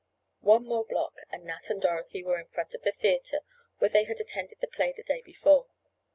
One more block and Nat and Dorothy were in front of the theatre where they had attended the play the day before.